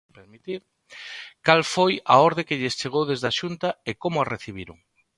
Cal foi a orde que lles chegou desde a Xunta e como a recibiron?